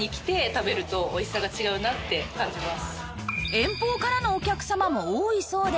遠方からのお客様も多いそうで